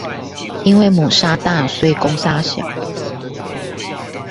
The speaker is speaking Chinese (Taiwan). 因為母鯊大，所以公鯊小